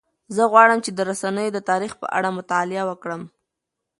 زه غواړم چې د رسنیو د تاریخ په اړه مطالعه وکړم.